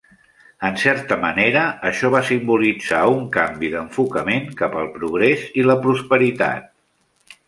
En certa manera, això va simbolitzar un canvi d'enfocament cap al progrés i la prosperitat.